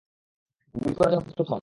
গুলি করার জন্য প্রস্তুত হোন।